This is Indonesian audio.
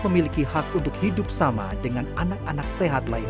memiliki hak untuk hidup sama dengan anak anak sehat lainnya